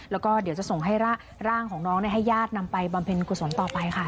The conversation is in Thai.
แล้วก็เดี๋ยวจะส่งให้ร่างของน้องให้ญาตินำไปบำเพ็ญกุศลต่อไปค่ะ